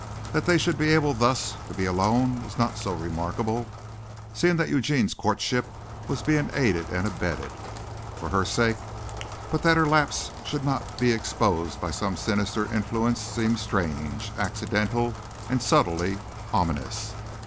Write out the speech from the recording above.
That they should be able thus to be alone was not so remarkable, seeing that Eugene's courtship was being aided and abetted, for her sake, but that her lapse should not be exposed by some sinister influence seemed strange accidental and subtly ominous.